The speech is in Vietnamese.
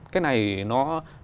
cái này nó